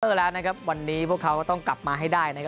แล้วนะครับวันนี้พวกเขาต้องกลับมาให้ได้นะครับ